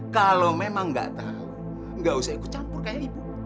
kalau memang enggak tahu enggak usah ikut campur kayak ibu